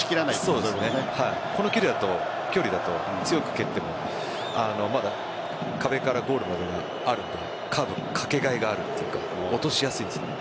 この距離だと強く蹴っても壁からゴールまであるのでカーブのかけがいがあると落としやすいですね。